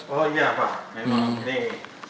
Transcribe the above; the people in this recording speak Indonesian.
oh iya pak memang